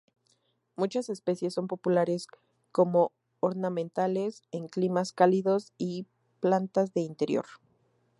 Muchas especies son populares como ornamentales en climas cálidos y como plantas de interior.